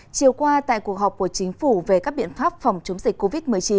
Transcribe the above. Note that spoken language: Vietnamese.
chiều qua tại cuộc họp của chính phủ về các biện pháp phòng chống dịch covid một mươi chín